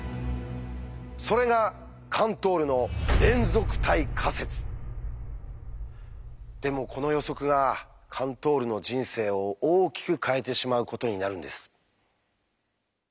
それがカントールのでもこの予測がカントールの人生を大きく変えてしまうことになるんです。